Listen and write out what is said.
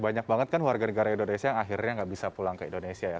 banyak banget kan warga negara indonesia yang akhirnya nggak bisa pulang ke indonesia ya